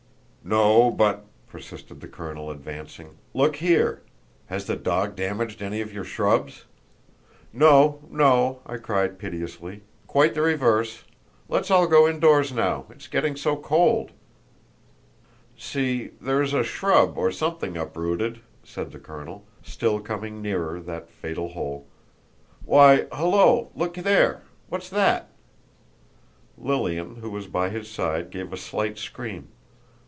"No; but," persisted the colonel, advancing, "look here! Has the dog damaged any of your shrubs?" "No, no!" I cried, piteously; "quite the reverse. Let's all go indoors now; it's getting so cold!" "See, there is a shrub or something uprooted," said the colonel, still coming nearer that fatal hole. "Why, hullo, look there! What's that?" Lilian, who was by his side, gave a slight scream.